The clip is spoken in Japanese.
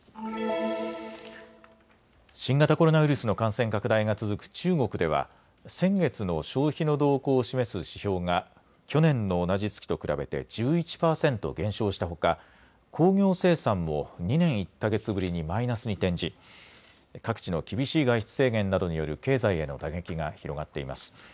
新型コロナウイルスの感染拡大が続く中国では先月の消費の動向を示す指標が去年の同じ月と比べて１１％減少したほか工業生産も２年１か月ぶりにマイナスに転じ各地の厳しい外出制限などによる経済への打撃が広がっています。